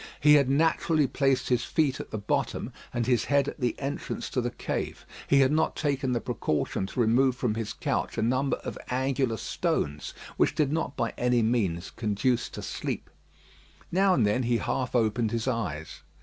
He had naturally placed his feet at the bottom, and his head at the entrance to his cave. He had not taken the precaution to remove from his couch a number of angular stones, which did not by any means conduce to sleep. Now and then he half opened his eyes.